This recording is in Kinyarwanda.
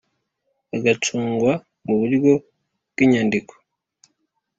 agacungwa mu buryo bw inyandiko